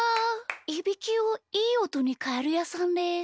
いびきをいいおとにかえるやさんです。